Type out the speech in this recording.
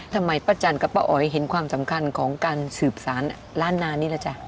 ทำไมป้าจันกับป้าอ๋อยเห็นความสำคัญของการสืบสารล้านนานี่แหละจ๊ะ